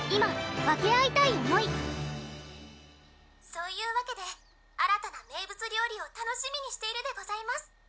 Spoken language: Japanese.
「そういうわけで新たな名物料理を楽しみにしているでございます」